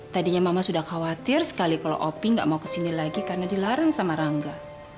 tadinya mama sudah khawatir sekali kalau opi nggak mau kesini lagi karena dilarang sama rangga